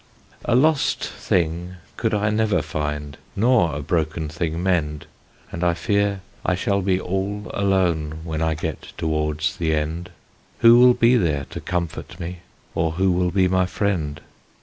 A lost thing could I never find, Nor a broken thing mend; And I fear I shall be all alone When I get towards the end. Who will there be to comfort me, Or who will be my friend?